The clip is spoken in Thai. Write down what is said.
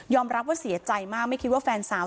รับว่าเสียใจมากไม่คิดว่าแฟนสาว